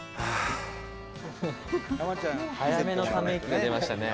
「早めのため息が出ましたね」